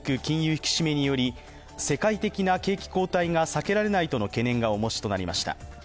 引き締めにより、世界的な景気後退が避けられないとの懸念が重しとなりました。